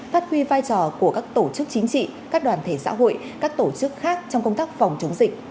phát huy vai trò của các tổ chức chính trị các đoàn thể xã hội các tổ chức khác trong công tác phòng chống dịch